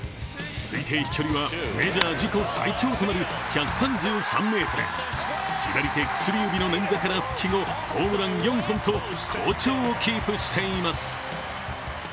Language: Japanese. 推定飛距離はメジャー自己最長となる１３３ｍ左手薬指の捻挫から復帰後、ホームラン４本と好調をキープしています。